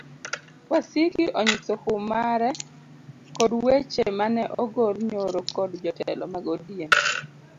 Wasiki onyiso hum mare kod weche mane ogol nyoro kod jotelo mag odm